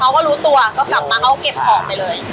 เขาก็รู้ตัวก็กลับมาเขาก็เก็บออกไปเลย